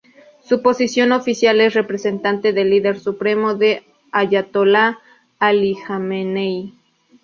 Su posición oficial es representante del Líder Supremo, el ayatolá, Alí Jamenei.